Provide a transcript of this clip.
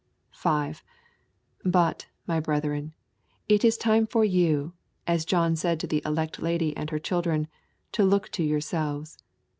5. But, my brethren, it is time for you, as John said to the elect lady and her children, to look to yourselves.